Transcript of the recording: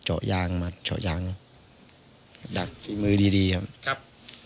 เจาะยางมาเจาะยางดักฝีมือดีดีครับครับ